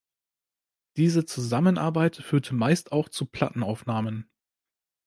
Diese Zusammenarbeit führte meist auch zu Plattenaufnahmen.